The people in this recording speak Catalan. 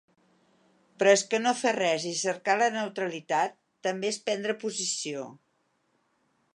Però és que no fer res i cercar la neutralitat també és prendre posició.